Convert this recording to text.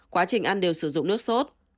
quá trình ăn đều sử dụng nước sốt